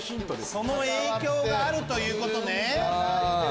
その影響があるということね。